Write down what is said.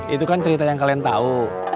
itu kan cerita yang kalian tahu